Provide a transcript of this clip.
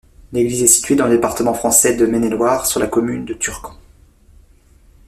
L'église est située dans le département français de Maine-et-Loire, sur la commune de Turquant.